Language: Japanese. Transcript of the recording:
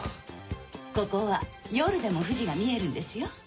ここは夜でも富士が見えるんですよ。